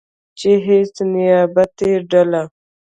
چې هیڅ نیابتي ډله